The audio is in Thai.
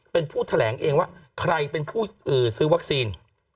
เป็นผู้แถลงเองว่าใครเป็นผู้ซื้อวัคซีน